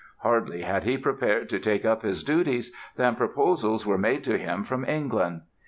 Hardly had he prepared to take up his duties than proposals were made to him from England.